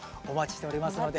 お待ちしてます。